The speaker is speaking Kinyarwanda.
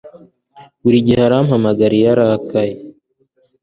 Buri gihe arampamagara iyo arakaye.